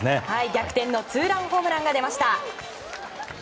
逆転のツーランホームランが出ました。